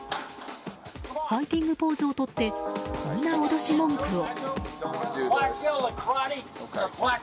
ファイティングポーズをとってこんな脅し文句を。